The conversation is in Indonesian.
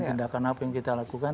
tindakan apa yang kita lakukan